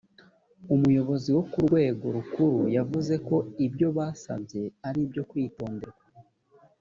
umuyobozi wo kurwego rukuru yavuze ko ibyo basabye aribyo kwitonderwa